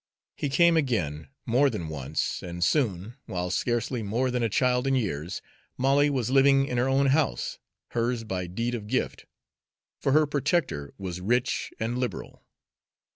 He came again, more than once, and soon, while scarcely more than a child in years, Molly was living in her own house, hers by deed of gift, for her protector was rich and liberal.